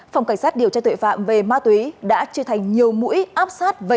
phòng cảnh sát điều tra tội phạm về ma túy đã chia thành nhiều mũi áp sát